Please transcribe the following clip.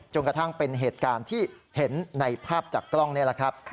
กระทั่งเป็นเหตุการณ์ที่เห็นในภาพจากกล้องนี่แหละครับ